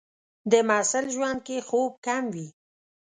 د محصل ژوند کې خوب کم وي.